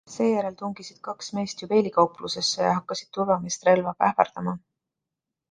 Seejärel tungisid kaks meest juveelikauplusesse ja hakkasid turvameest relvaga ähvardama.